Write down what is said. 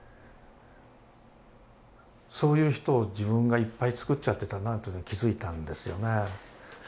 そういう人を自分がいっぱい作っちゃってたなというのを気付いたんですよね。